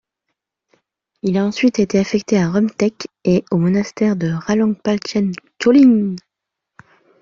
Il a ensuite été affecté à Rumtek et au monastère de Ralang Palchen Choling.